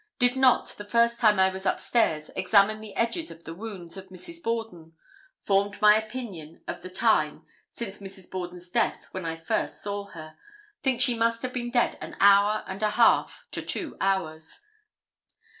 Did not, the first time I was up stairs, examine the edges of the wounds of Mrs. Borden. Formed my opinion of the time since Mrs. Borden's death when I first saw her. Think she must have been dead an hour and a half to two hours."